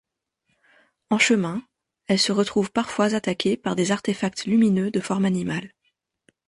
En chemin, elle se retrouve parfois attaquée par des artefacts lumineux de forme animale.